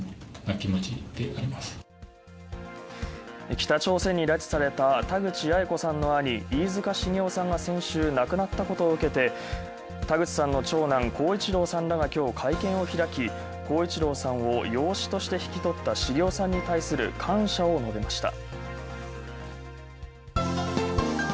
北朝鮮に拉致された田口八重子さんの兄・飯塚繁雄さんが先週、亡くなったことを受けて、田口さんの長男・耕一郎さんらがきょう会見を開き、耕一郎さんを養子として引き取った繁雄さんに対する感謝を述べました。